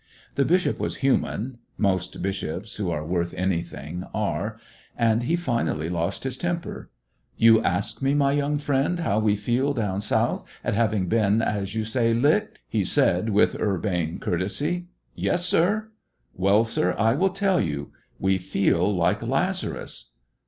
The bishop was hnman,— most bishops who are worth anything are, — and he finally lost his temper. "You ask me, my young friend, how we feel down South at having been, as you say, licked! " he said with urbane courtesy. "Yes, sir." "Well, sir, I will tell you. We feel like Lazarus."